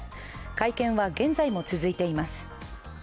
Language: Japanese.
会見は現在も続いています。